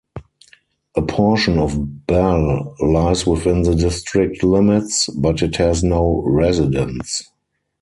A portion of Bell lies within the district limits, but it has no residents.